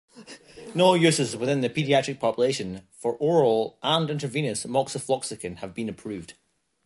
No uses within the pediatric population for oral and intravenous moxifloxacin have been approved.